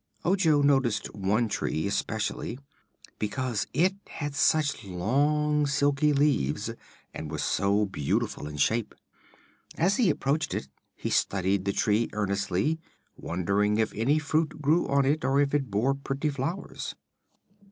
Ojo noticed one tree, especially, because it had such long, silky leaves and was so beautiful in shape. As he approached it he studied the tree earnestly, wondering if any fruit grew on it or if it bore pretty flowers.